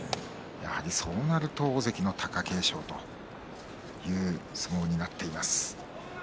やはりそうなると大関の貴景勝という結果になっています。